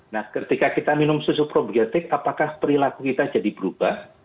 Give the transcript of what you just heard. nah ketika kita minum susu probiotik apakah perilaku kita jadi berubah